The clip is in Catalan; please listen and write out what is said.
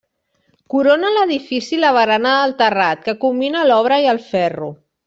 Corona l'edifici la barana del terrat, que combina l'obra i el ferro.